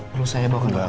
perlu saya bawa ke rumah